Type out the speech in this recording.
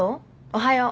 おはよう。